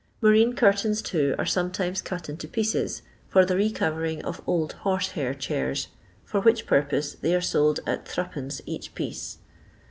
Horeen curtains, too, are sometimes cut into pieces, for the re corering of old horse hair chairs, for which purpose they are sold nt Sd. each piece.